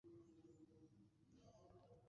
আমার শূকর ফেরত চাই।